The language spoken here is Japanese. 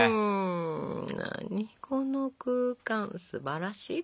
何この空間すばらしいですよ。